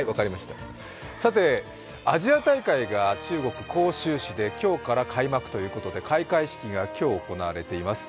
さて、アジア大会が中国・杭州市で今日から開幕ということで開会式が今日、行われています。